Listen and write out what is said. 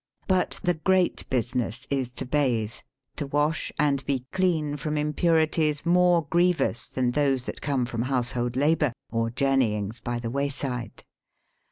But the great business is to bathe, to wash and be clean from impurities more grievous than those that come from household labour or journeyings by the wayside.